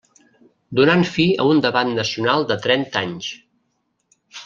Donant fi a un debat nacional de trenta anys.